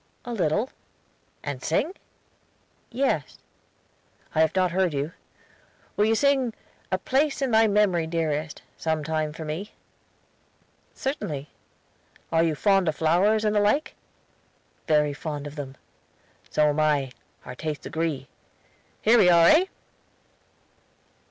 "A little." "And sing?" "Yes." "I have not heard you. Will you sing 'A place in thy memory, dearest,' some time for me?" "Certainly." "Are you fond of flowers and the like?" "Very fond of them." "So am I; our tastes agree. Here we are, hey?"